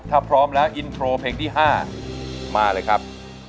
ถ้าพร้อมแล้วอินโทรเพลงที่๕มาเลยครับ